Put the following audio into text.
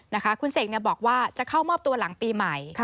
นะคะคุณเสกบอกว่าจะเข้ามอบตัวหลังปีใหม่